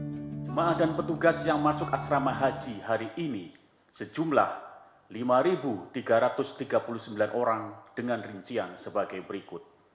jemaah dan petugas yang masuk asrama haji hari ini sejumlah lima tiga ratus tiga puluh sembilan orang dengan rincian sebagai berikut